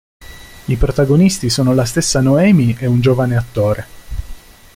I protagonisti sono la stessa Noemi e un giovane attore.